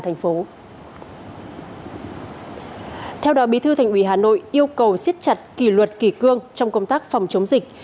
theo đó bí thư thành ủy hà nội yêu cầu siết chặt kỷ luật kỷ cương trong công tác phòng chống dịch